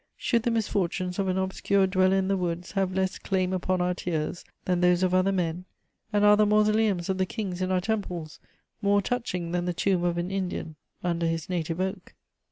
Should the misfortunes of an obscure dweller in the woods have less claim upon our tears than those of other men? And are the mausoleums of the kings in our temples more touching than the tomb of an Indian under his native oak?